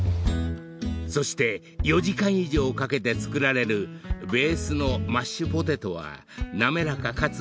［そして４時間以上かけて作られるベースのマッシュポテトは］